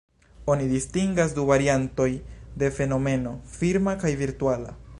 Oni distingas du variantoj de fenomeno: firma kaj virtuala.